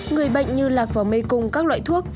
người bệnh như lạc vào mê cung các loại thuốc